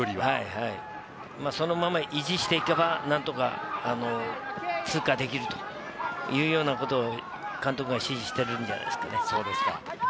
そのまま維持していけば、なんとか通過できるというようなことを監督が指示しているんじゃないですかね。